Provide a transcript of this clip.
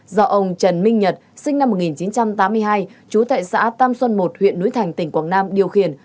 do ông trần minh nhật sinh năm một nghìn chín trăm tám mươi hai trú tại xã tam xuân một huyện núi thành tỉnh quảng nam điều khiển